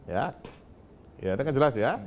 ya ya itu jelas ya